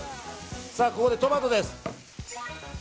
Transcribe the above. ここでトマトです。